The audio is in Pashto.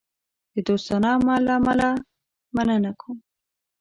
د دوستانه عمل له امله مننه کوم.